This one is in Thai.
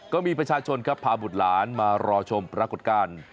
ก็มีประชาชนครับพาบุตรหลานมารอชมปรากฏการณ์